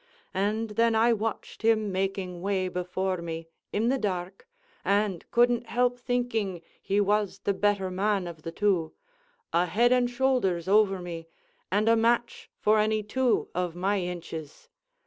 And then I watched him making way before me, in the dark, and couldn't help thinking he was the better man of the two a head and shoulders over me, and a match for any two of my inches.